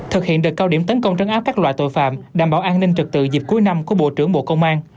thực hiện đợt cao điểm tấn công trấn áp các loại tội phạm đảm bảo an ninh trực tự dịp cuối năm của bộ trưởng bộ công an